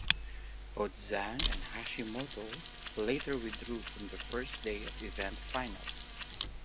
Both Zhang and Hashimoto later withdrew from the first day of event finals.